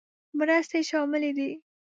مرستې شاملې دي.